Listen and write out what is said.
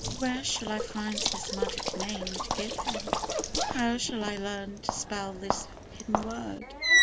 Where shall I find this magic name to give him? How shall I learn to spell this hidden word